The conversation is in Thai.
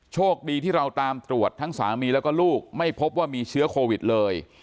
โชคดีที่เราตามตรวจทั้งสามีแล้วก็ลูกไม่พบว่ามีเชื้อโควิดเลย